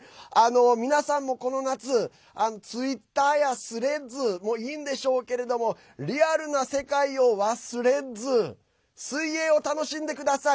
皆さんもこの夏、ツイッターやスレッズもいいんでしょうけどリアルな世界をワスレッズ水泳を楽しんでください。